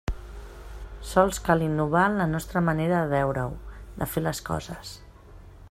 Sols cal innovar en la nostra manera de veure-ho, de fer les coses.